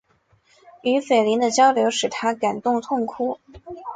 与斐琳的交流使他感动痛哭。